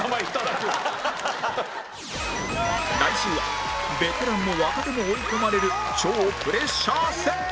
来週はベテランも若手も追い込まれる超プレッシャー戦